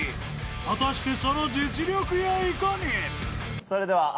［果たしてその実力やいかに？］